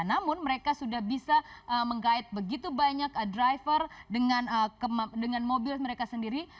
namun mereka sudah bisa menggait begitu banyak driver dengan mobil mereka sendiri